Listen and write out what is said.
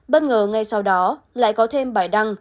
bất ngờ ngay sau đó lại có thêm bài đăng